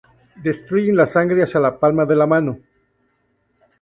Distribuyen la sangre hacia la "palma de la mano".